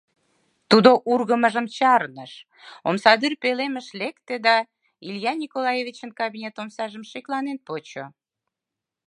Тудо ургымыжым чарныш, омсадӱр пӧлемыш лекте да Илья Николаевичын кабинет омсажым шекланен почо.